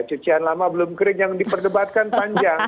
cucian lama belum kering yang diperdebatkan panjang